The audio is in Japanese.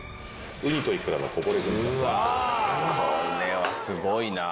これはすごいな。